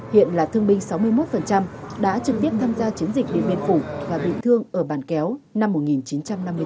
hiện là thương binh sáu mươi một đã trực tiếp tham gia chiến dịch điện biên phủ và bị thương ở bàn kéo năm một nghìn chín trăm năm mươi bốn